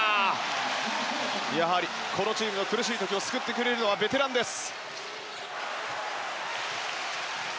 やはり、このチームの苦しい時を救ってくれるのはベテランです。